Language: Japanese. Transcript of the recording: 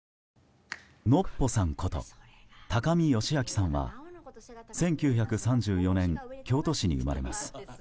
のっぽさんこと高見嘉明さんは１９３４年京都市に生まれます。